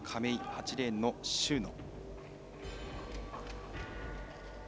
８レーンの秀野。